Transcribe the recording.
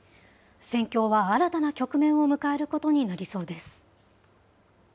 戦況は新たな局面を迎えることになりそうです。